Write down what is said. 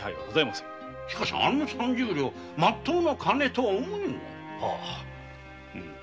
しかしあの三十両はまっとうな金とは思えぬが。